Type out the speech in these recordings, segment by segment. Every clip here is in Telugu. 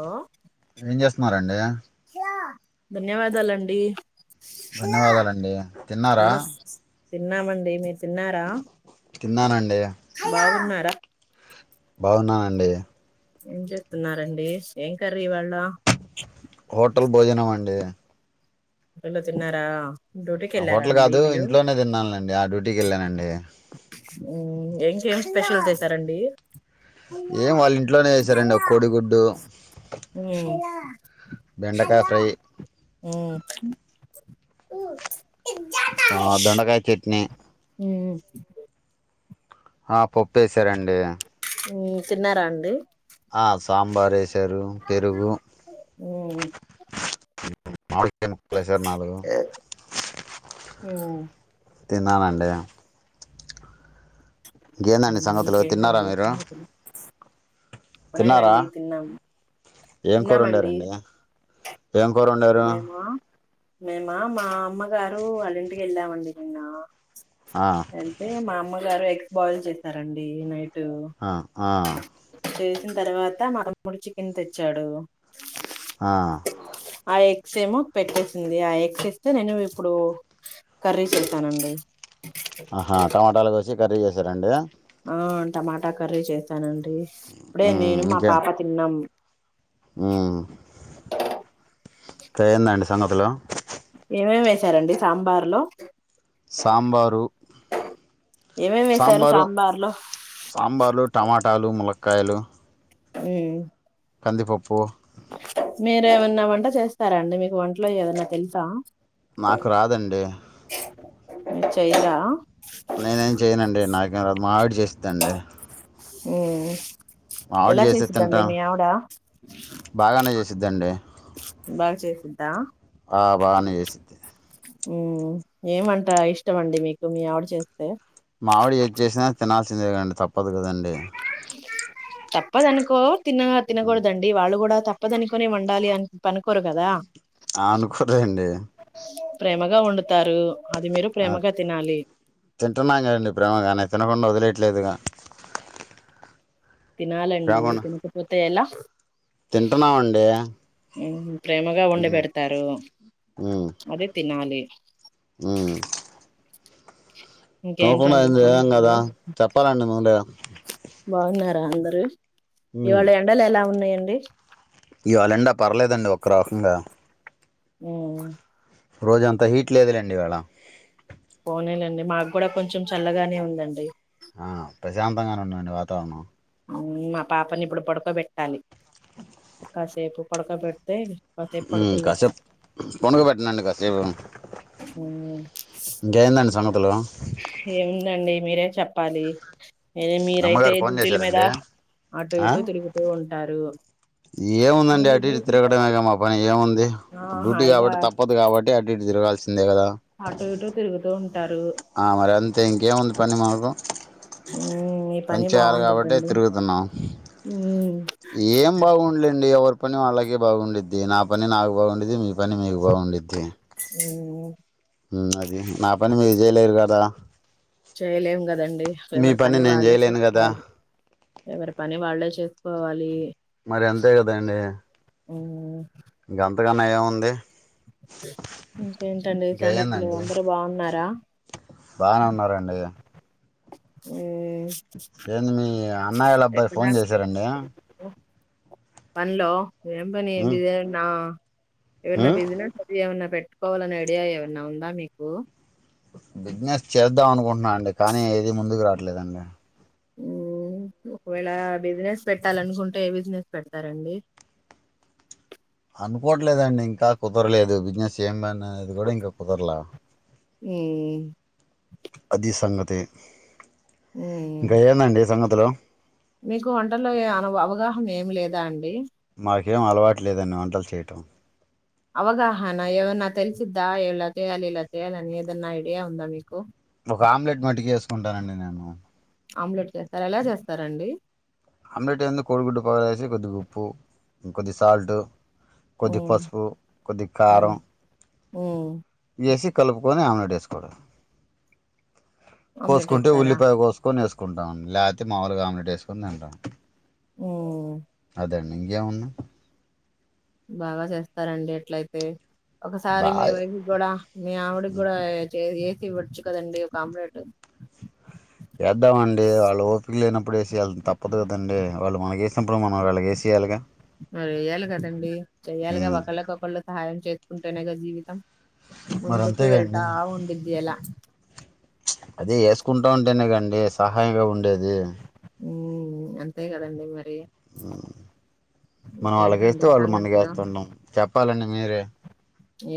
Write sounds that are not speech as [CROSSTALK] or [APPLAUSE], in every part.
హలో ఏం చేస్తున్నారండి ధన్యవాదాలు అండి ధన్యవాదాలు అండి తిన్నారా నమస్ తిన్నామండి మీరు తిన్నారా తిన్నానండి హలో బాగున్నార క్క [UNINTELLIGIBLE] బాగున్నానండి ఏం చేస్తున్నారండి ఏం కర్రీ ఇవాళ హోటల్ భోజనం అండి హోటల్ లో తిన్నారా డ్యూటీకి ఆ వెళ్ళారా హోటల్ అండి కాదు మీరు ఇంట్లోనే తిన్నాను లేండి ఆ డ్యూటీకి వెళ్ళానండి హ్మ్ ఇంకేం స్పెషల్ చేసారంండి ఏం వాళ్ళ ఇంట్లోనే చేసారండి ఒక కోడిగుడ్డు హలో హ్మ్ అ [UNINTELLIGIBLE] [UNINTELLIGIBLE] ఆ దొండకాయ చట్నీ ఉమ్ ఆ పోప్పేసారండి హ్మ్ తిన్నార అండి ఆ సాంబార్ పెరుగు పెరుగు ఉమ్ [UNINTELLIGIBLE] నాలుగు ఉమ్ తిన్నానండి ఇంకేంటి అండి సంగతులు తిన్నారా ఇంకేంటండి మీరు సంగతులు తిన్నారా ఇప్పుడేనండి తిన్నాము ఏం కూరా తిన్నామండి వండరండి ఏం కోరు వండారు మేమా మేమా మా అమ్మగారు వాళ్ళింటికి వెళ్ళామండి నిన్న ఆ, అంటే మా అమ్మగారు ఎ బాయిల్ చేసారండి నైట్ ఆ ఆ వచ్చిన తర్వాత మా తమ్ముడు చికెన్ తెచ్చాడు ఆ, ఆ ఎగ్స్ ఏమో పెట్టేసింది ఆ ఎగ్స్ ఇస్తే నేను ఇప్పుడు కర్రీ చేస్తానండి హా టమాటాలు కోసి కర్రీ చేసారంండి ఆ టమాటా కర్రీ చేస్తానండి ఇప్పుడే నేను మా పాప తిన్నాం ే ఏంది అండి సంగతులు ఏమేమి వేసారంండి సాంబార్ లో సాంబారు ఏమేమి వేసారు సాంబారు సాంబార్ లో సాంబార్ టమాటాలు ములక్కాయలు హ కందిపప్పు మీరు ఏమన్నా వంట చేస్తారాండి మీకు వంటలో ఏదన్నా తెలుసా నాకు రాదండి చైరా నేనేం చేయనండి నాకేం రాదు మా ఆవిడి చేస్త తండి ఉ మావిడి చేసేది తింటాం బాగానే చేస్తుద్దండి బాగా చేసిద్దా ఏమంట ఇష్టంమండి మీకు మీ ఆవిడ చేస్త మామిడి ఏది చేసినా తినల్ సిందే కదా అండి తప్పదు కదండి తప్పదనుకో తిన తినకుడదండి వాళ్ళు కూడా తప్పదనికోనే వండాలి అని పనుకోరు కదా అనుకోద అండి ప్రేమగా వండుతారు అది మీరు ఆ ప్రేమగా తినాలి తింటున్నాం కదండి ప్రేమగానే తినకుండా వదిలేట్ ఇట్లేదుగా తినాలండి తినకపోతే ఎలా తింటున్నామండి ఉమ్ ప్రేమగా ఒండి ఉమ్ పెడతారు అదే తినాలి హ్మ్ తూకుండా ఇంకేంటండి ఏంది సంగతులు ఏంకాదా చెప్పాలండి ముందే బాగున్నారా అందరూ ఇవాళ ఎండలు ఎలా ఉన్నాయి అండి ఇవాళ ఎండ పర్లేదండి ఒక్క రకంగా ఉమ్ రోజంత హీట్ లేదులేండి ఇవాళ పోనీలేండి మాక్ కూడా కొంచెం చల్లగానే ఉందండి ఆ ప్రశాంతంగానే ఉండండి వాతావరణం హ్మ్ మా పాపని ఇప్పుడు పడుకోబెట్ టాలీ కాసేపు పడుకో పెట్ హ్మ్ కసేపు పనుగో పెట్టనండి కాసేపు మ్ ఇంకేందండి సంగ హలో ఏముందండి మీరే చెప్పాలి నే మీరైతే అమ్మగారు ఫోన్ డ్యూటీల మీద చేశారండి అటు ఆ ఇటు తిరుగుతూ ఉంటారు ఏముందండి మీరు అటు ఇటు డ్యూటీ తిరగడమే గా మా పని ఏముంది ఆ డూటీ కాబట్టి తప్పదు కాబట్టి అటు ఇటు తిరగాల్సింద్ ఆటో ఇటో తిరుగుతోంట ఆ మరి ఎంత్ ఇంకేముందీ పని మాకు మ్ మీ పని చేయాలి కాబట్టి బాగుండిద్దండి తిరుగుతున్నాం మ్ ఏం బాగుండలేండి ఎవరు పని వాళ్ళకి బాగుండిద్ది నా పని నాకు బాగుండిద్ది మీ పని మీకు బాగుండిద్ది అ అది నా పని మీరు చేయలేరు కదా చేయలేము కదండి మీ ఎవరి పని నేను వాల్లే చేయలేను కదా చేసుకోవాలి ఎవరి పని వాల్లే చేసుకో కోవాలి మరి అంతే కదండి హ్మ్ ఇంకంతకన్నా ఏముంది ఇంకేంటండి ఇంక సంగతులు ఏందండి అందరూ బాగున్నారా బాగానే మ్ ఏ మీ అన్నయ వాళ్ళ అబ్బాయి ఫోన్ చేశారండి పన్లో ఉమ్, [UNINTELLIGIBLE] ఎవన్నా ఉమ్, బిజినెస్ అది ఏమన్నా పెట్ట పెట్టుకోవాలని ఐడియా ఏమన్నా ఉందా మీకు బిజినెస్ చేద్దాం అనుకుంటున్నా అండి కానీ ఏది ముందుకు రావట్లేదండి మ్ ఒకవేళ బిజినెస్ పెట్టాలనుకుంటే ఏ బిజినెస్ పెడతారండి అనుకోవట్లేదండి ఇంకా కుదరలేదు బిజినెస్ ఏమని ఆ అది కూడా ఇంకా కుదరలా మ్మ్. అది సంగతి తే మ్మ్. ఇంకా ఏమండి సంగ హాలో మీకు వంటలో ఏ అను అవగాహన ఏమి లేదా అండి నాకేం అలవాటు లేదండి వంటలు చేయటం అవగాహానా ఎవన్నా తెలిసిద్దా ఇలా చేయాలి అలా చేయాలి అని ఏదన్నా ఇడియా ఉంద మీకు ఒక ఆమ్లెట్ మటుకి వేసుకుంటానండి నేను ఆది ఎలా చేస్తారండి ఆమ్లెట్ ఏందో కోడిగుడ్డు పగల వేసి కొద్ది ఉప్పు ఇంకొద్ది సాల్ట్ కొద్దిగ మ్మ్. పసుపు కొద్దిగ కారం ఉ వేసి కలుపుకొని ఆమ్లెట్ వేసుకోవుడు ఆమ్లెట్ కోసుకుంటే వేస్తారా ఉల్లిపాయ కోసుకొని వేసు కుంటాం లేతే మాములుగా ఆమ్లేట్ వేసుకుని తింటాం ఉమ్ దండిగ జేయమన్ను బాగా చేస్తారండి అట్లయితే ఒకసారి మీ బాగా వైఫ్ కి కూడా మీ ఆవిడికి కూడా వేయ్ చే వేసి ఇవ్వొచ్చు కదండి ఒక ఆమ్లేటు వేద్దామండి వాళ్ళు ఓపిక లేనప్పుడే వేసియాలి తప్పదు కదండి వాళ్ళు మనకు వేసి అప్పుడు మనం వాళ్లకి వేసీయాలిగా మరి వేయాలి కదండి చెయ్యాలిగా ఉమ్. ఒకళ్ళకొకళ్ళు సహాయం చేసు కుంటేనేగా జీవితం మరి ముందుకు వెళ్తా అంతేగాండి ఉండుద్ది అలా అదే వేసుకుంటా ఉంటేనే కాండి సహాయంగా ఉండేది ఉ అంతే కదండి మరి మనం వాళ్ళక ఇంకేంటండి వేస్తే వాళ్ళు మనక సంగతులు వేస్తున్నాం చెప్పాలండి పనిర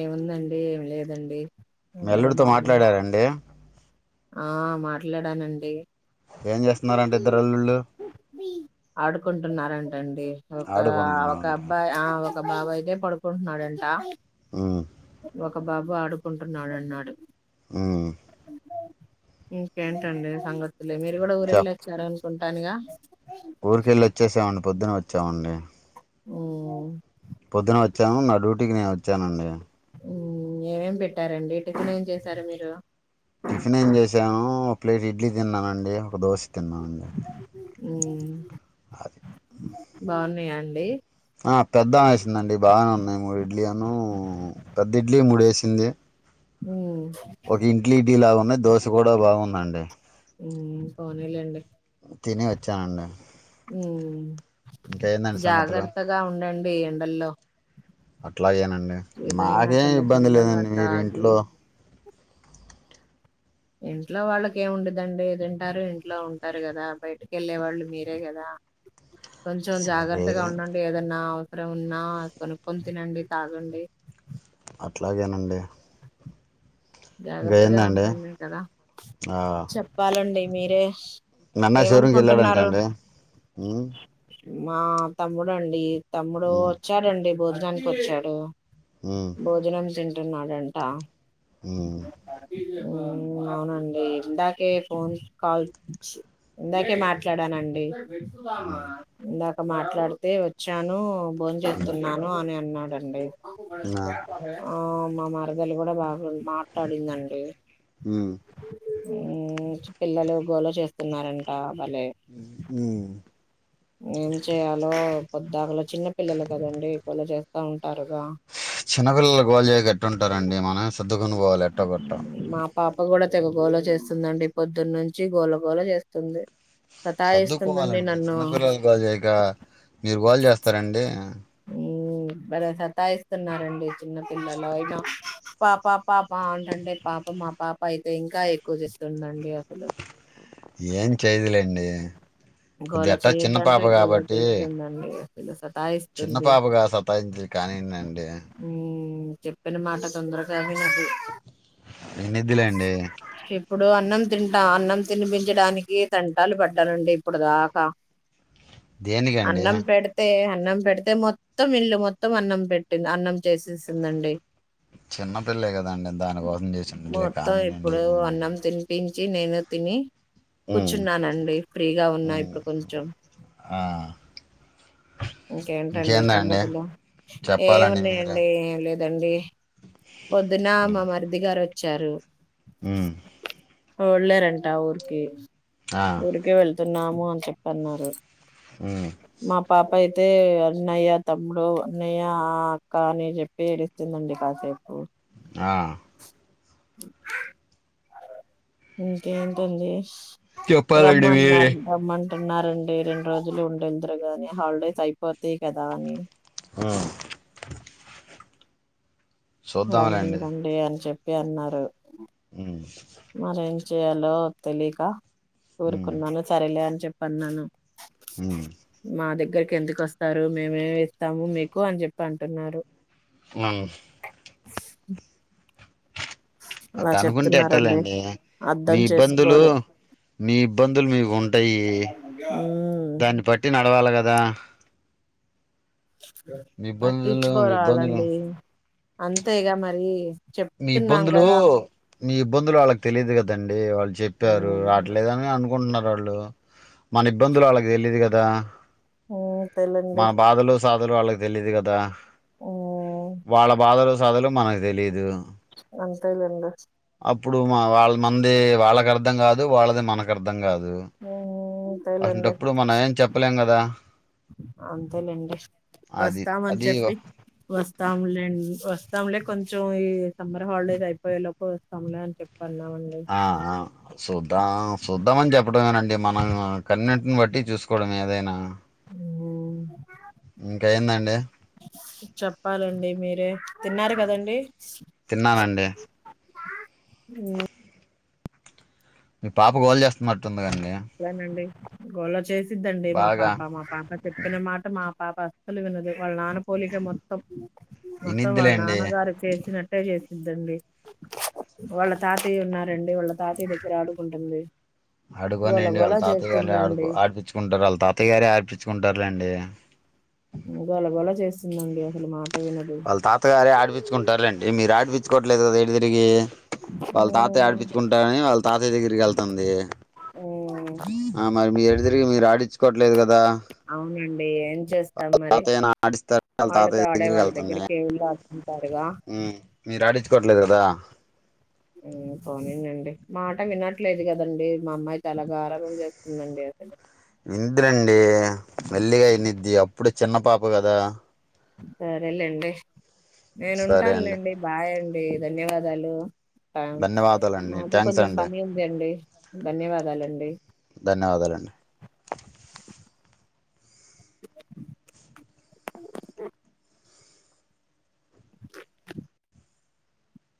ఏముందండి ఏమి లేదండి అందరు అల్లుడితో బాగున్నా మాట్లాడారండి ఆ మాట్లాడానండి ఏం చేస్తున్నరండి ఇద్దర్ అల్లుళ్ళు ఆడుకుంటున్నారని రండి ఒక ఒక ఆడుకుంటున్నారంట అబ్బాయి ఆ ఒక బాబు అయితే పడుకుంటున్నాడంట ఉమ్ ఓ ఒక బాబు ఆడుకుంటున్నాడన్నాడు ఉహ్ ఇంకేంటండి సంగతి అ మీరు కూడా ఊరెళ్ళి చెప్ వచ్చార ఉంటాను ఇగ ఊరికెళ్ళి వచ్చేసామండి పొద్దున వచ్చామండి ఉమ్ పొద్దున వచ్చాను నా డ్యూటీకి నేను వచ్చానండి హ్మ్ ఏమేం పెట్టారంండి టిఫెన్ ఏం చేశారు మీరు టిఫిన్ ఏం చేసాను ఒక ప్లేట్ ఇడ్లీ తిన్నానండి ఒక దోష తిన్నానండి అది బాగున్నాయాండి ఆ పెద్ద వేసిందండి బాగానే ఉన్నాయి మూడి ఇడ్లీ అను పెద్ద ఇడ్లీ మూడేసి ఏన్ది ఉమ్ ఒక ఇట్లిఇడ్లి ఇంటిలా ఉన్నాయి దోశ కూడా బాగుందండి పోనీలెండి తిని వచ్చానండి హ్మ్ ఇంకేందండి సంగతులు జాగ్రత్తగా ఉండండి ఈ ఎండల్లో అట్లాగేనండి ఏదైనా మాకేం చల్ల ఇబ్బంది చల్లగా లేదండి మీరి తాగి ఇంట్లో ఇంట్లో వాళ్ళక ఏముండదండి దింటారు ఇంట్లో ఉంటారు కదా బయటకి వెళ్ళే వాళ్ళు మీరే కదా కొంచెం సరే జాగ్రత్తగా ఉండండి ఏదన్నా అక్కడ ఉన్నా కొనుక్కొని తినండి తాగండి అట్లాగేనండి ఇంకా జాగ్రత్తగా ఏందండి ఉంటుంది కదా చెప్పాలండి మీరేష్ నన్న షోరూంకి వెళ్ళాడంటా అండి హ్మ్ మా తమ్ముడండి తమ్ముడు ఉమ్, వచ్చాడండి బోజ్ భోజ్నాన్కి వచ్చాడు ఉమ్, భోజనం [UNINTELLIGIBLE] తీన్నాడంటా హ్మ్ మ్మ్ అవునండి ఇందాకే ఫోన్ కాల్ ఇందాకే మాట్లాడానండి ఉమ్, ఇందాక్ మాట్లాడితే వచ్చాను భోం ఉమ్, జేతున్నాను అని అన్నాను అండి నా, ఆ మా మరదలు కూడా బాగుంది మార్ క్కడుందండి హ్మ్ హ్మ్మ్ పిల్లలు గోల చేస్తున్నారంట భలే హు హ్మ్ ఏం చేయాలో పొద్దాకులో చిన్న పిల్లలు కదండి వాళ్లు జేస్తా ఉం చిన్నపిల్లలు గోల్ జేయక ఎట్టా ఉంటారండి. మనం సర్దుకొనుపోవాలి ఎట్టోకొట్ట మా పాప కూడా తెగగోళ చేస్తుందండి పొద్దున్న నుంచి గోళగోళ చేస్తుంది. సతాయిస్తుందండి సర్దుకోవాలండి నన్ను చిన్నపిల్లలు గోల్ జేయక మీరు గోల్ చేస్తారండి మ్మ్ భలే సతాయిస్తున్నారండి చిన్న పిల్లలు అయినా పాప పాప అంటంటే పాప మా పాప అయితే ఇంకా ఎక్కువ చేస్తుందం ఏం చేయ్దులేం అండి గోల కొద్దిగా చిన్న పాప కాబట్టి ఏందో సార్ చిన్న పాపగా సత్తాఇంచి కానీయానియండి హ్ చెప్పిన మాట తొందరగానే విన్నిదిలెండి ఇప్పుడు అన్నం తింటాం అన్నం తినిపించడానికి తంన్ తాలు పడ్డనండి ఇప్పుడు దాకా దేనికండి అన్నం పెడితే అన్నం పెడితే మొత్తం ఇల్లు మొత్తం అన్నం పెట్టింది అన్నం చేసేసిందండి. చిన్నపిల్ల కదండి దానికోసం చేసిండట్లే కానీనండి ఏముంది. చి నేను తిని హమ్ తిన్నానండి ఫ్రీగా ఉన్నా ఇప్పుడు కొంచెం. ఆ, ఇంకేంటండి ఇంకేందండి సంగతులు ఏ చెప్పాలండి మీరే ఏన్నాయండి ఈమెవ్ దండి పోదున మా మరిది గారు వ చ్చారు హమ్ ఓళ్లారుంట ఊరికి ఆ, ఊరికే వేల్ తిన్నాము అని చెప్పి అన్నారు. హమ్ పాప అయితే అన్నయ్య తమ్ముడు అన్నయ్య అక్క అని చెప్పి ఏడుస్తున్దండి కాసేపు ఓ ఆ ఇంకేేంటండి చెప్పాలండి మీరే రమన్న్నారు రమన్ ఉన్నారుఅంది రెండు రోజులు ఉండేదురుగాని హాలిడేస్ అయిపోతాయి కదా అని ఆ రండి రండి అని చెప్ ప్పి అన్నారు హమ్ మరేం చెయాలో తెలియక ఉమ్, ఊరుకున్నాను సరేలే అన్ చెప్పిన్నను ఉమ్, మా దగ్గర్ కిందకి వస్తారు మేమేమి ఇస్తాము మీకు అని చెప్పి అంటున్నారు. మన్ ఆట అలా అనుకుంటే చెప్తున్నారండి ఎట్టలేండి మీ అర్థం ఇబ్బందులు చేసుకోరు నీ ఇబ్బంద్ దుల్ మీకు ఉంటాయి. ఉమ్ దాన్ని పట్టి నాక్ పడవాలి కదా మీ ఇబ్బందులు మీ ఇబ్బందులు పట్టించుకోరాలండి అంతేగ మరి మీ చెప్తున్నాం ఇబ్బందులు కదా మీ ఇబ్బందులు వాళ్ళకి తెలియదు కదండి వాళ్ళ చెప్పారు అట్లేదని అనుకుంటున్నారు వాళ్ళు లో మన ఇబ్బందులు వాళ్కి తెలియదు కా దా హమ్ సైలండి సాధలు వాళ్ళకి తెలియదు కదా వాళ్ళ బాధలు చదులు మనకు తెలీదు అంతే లెండి అప్పుడు మా వాళ్ళ మనది వాళ్ళకి అర్థం కాదు వాళ్ళది మనకు అర్థం కాదు అంతేలేండి అసంటప్పుడు మనం ఏం చెప్పలేం కద అంతేలేండి అది వస్తామని అది చెప్పి వస్తాములేండి వస్త వస్తాములే కొంచెం ఈ సమ్మర్ హాలిడేస్ అయిపోయే లో వస్తాములే అని చెప్ ఆ శుద్ద్ద శుద్ద్దాంమని చెప్పడమేనండి మనం కనీవినెంట్ బట్టి చూసుకు కోడ మీ ఏదైన హమ్ ఇంకా ఏందండి చెప్పాలండి మీరే తిన్నారు కదండి తిన్నానండి హమ్ మీ పాప గోల్ చేస్తున్నట్టుంది కండి యా నండి గోళ చే దండి మా బాగా పాప మా పాప చెపీన మాట మా పాప అసలు వినదు వాళ్ళ నాన పోలిక మొత్తం మొత్తం వాళ్ళ ఇనిద్దిలేండి నాన్నగారి చేసినట్టే చేసి ఇద్దండి వాళ్ళ తాతయ్య ఉన్నారండి వాళ్ళ తాతయ్య దగ్గర ఆడుకుంటుంది. గోల ఆడుకోనియండి గోల వాళ్ళ తాతయ్యగారే చేస్తుందండి ఆడు ఆడిపించుకుంటారు వాళ్ళ తాతయ్యగారే ఆడిపించుకుంటారు. ఇలాండి గోలా గోలా చేస్తుందండి అసలు మాట వినదు వాళ్ళ తాతగారే ఆడిపించుకుంటారుండి మీరు ఆడిపించుకోవట్లేదు కద తిరిగి వాళ్ళ తాతయ్య ఆడిపిచ్చుకుంటారని వాళ్ళ తాతయ్య దగ్గరికి వెళ్తూంది ఆ మరి మీ. ఎటు తిరిగి మీరు ఆడిచుకోట్లే. అవునండి ఏం చేస్తాం మరి తాతయ్యని ఆడిస్తారు వాళ్ళతో ఆడే వాళ్ళ దగ్గరికి వెళ్ళే ఆడు. హ్మ్ మీరు ఆడించుకోవట్లేదు కదా. మాట వినట్లేదు కదండి మా అమ్మాయి చాలా గారంభం చేస్తుందండి అసలు. వింది రండి మెల్లిగా విన్నిది అప్పుడు. చిన్న పాప కదా. సరేలెండి. నేను సరే ఉంటాను అండి లేండి బాయ్ అండి. వేయి ధన్యవాదాలు. ధన్యవాదాలండి నాకు థ్యాంక్స్ కొంచెం అండి పని ఉంది అండి. ధన్యవాదాలండి. నవాదాలండి.